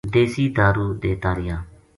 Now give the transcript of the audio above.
دیسی دارُو دیتا رہیا